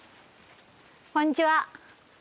こんにちは。